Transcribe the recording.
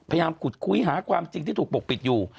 พยายามขุดคุยหาความจริงที่ถูกปกปิดอยู่